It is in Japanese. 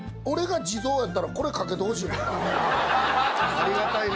ありがたいね。